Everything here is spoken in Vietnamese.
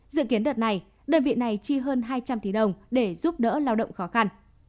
dự kiến đợt này đơn vị này chi hơn hai trăm linh tỷ đồng để giúp đỡ lao động khó khăn